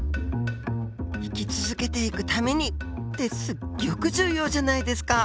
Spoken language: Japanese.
生き続けていくためにってすっギョく重要じゃないですか！